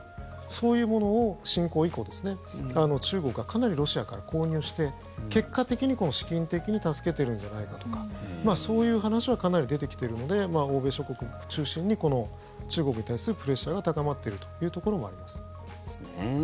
そういうものを侵攻以降中国がかなりロシアから購入して結果的に資金的に助けてるんじゃないかとかそういう話はかなり出てきているので欧米諸国を中心に中国に対するプレッシャーが高まっているというところもあります。